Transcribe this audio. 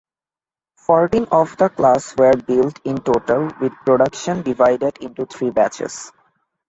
Fourteen of the class were built in total, with production divided into three batches.